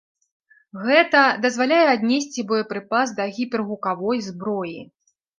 Гэта дазваляе аднесці боепрыпас да гіпергукавой зброі.